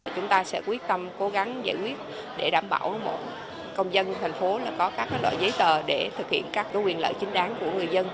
chúng ta sẽ quyết tâm cố gắng giải quyết để đảm bảo một công dân thành phố có các loại giấy tờ để thực hiện các quyền lợi chính đáng của người dân